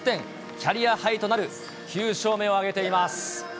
キャリアハイとなる９勝目を挙げています。